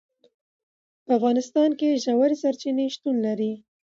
په افغانستان کې ژورې سرچینې شتون لري.